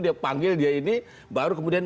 dia panggil dia ini baru kemudian